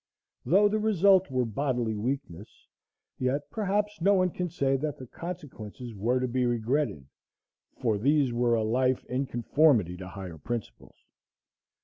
Though the result were bodily weakness, yet perhaps no one can say that the consequences were to be regretted, for these were a life in conformity to higher principles.